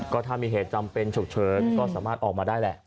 ก็ถ้ามีเหตุจำเป็นฉุกเฉินก็สามารถออกมาได้แหละ